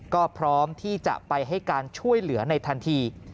ก็พร้อมที่จะไปให้การช่วยเหลือในทันที